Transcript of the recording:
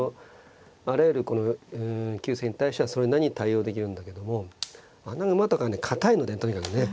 あらゆるこの急戦に対してはそれなりに対応できるんだけども穴熊とかね堅いのでとにかくね。